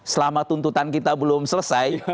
selama tuntutan kita belum selesai